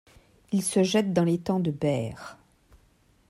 Il se jette dans l'étang de Berre.